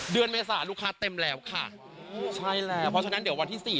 เมษาลูกค้าเต็มแล้วค่ะใช่แล้วเพราะฉะนั้นเดี๋ยววันที่สี่